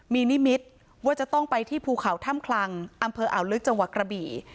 มีนิมิตรว่าจะต้องไปที่ภูเขาถ้ำคลังอำเภออ่าวลึกจังหวัดกระบี่